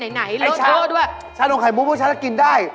ไอชามชานมไข่มุกพวกชั้นจะกินได้